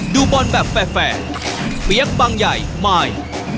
ดูบอลแบบแฟร์เปี๊ยกบางใหญ่มาย